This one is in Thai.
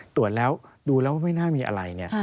ตรวจแล้วดูแล้วไม่น่ามีอะไรเนี่ย